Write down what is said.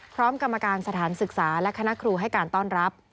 กรรมการสถานศึกษาและคณะครูให้การต้อนรับ